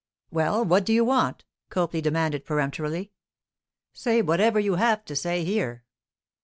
'Well, what do you want?' Copley demanded peremptorily. 'Say whatever you have to say here.